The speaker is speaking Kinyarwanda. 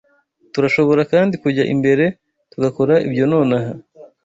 Turashobora kandi kujya imbere tugakora ibyo nonaha.